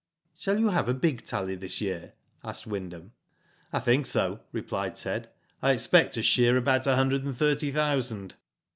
Shall you have a big tally this year?*' asked Wyndham. I think so,'^ replied Ted, I expect to shear about a hundred and thirty thousand.'